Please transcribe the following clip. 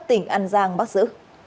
tỉnh an giang bắt giữ